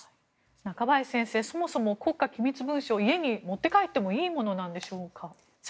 中林先生そもそも国家機密文書を家に持って帰ってもいいものなんでしょうか。